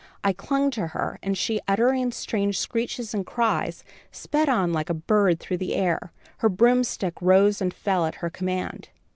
I clung to her, and she, uttering strange screeches and cries, sped on like a bird through the air. Her broomstick rose and fell at her command.